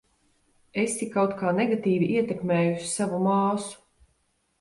Esi kaut kā negatīvi ietekmējusi savu māsu.